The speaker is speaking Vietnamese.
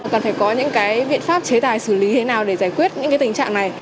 cần phải có những cái biện pháp chế tài xử lý thế nào để giải quyết những cái tình trạng này